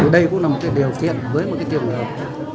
đây cũng là một điều kiện với một tiểu ngợp